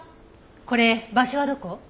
これ場所はどこ？